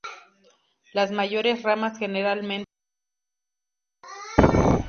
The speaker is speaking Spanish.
Las mayores ramas generalmente de color rojo.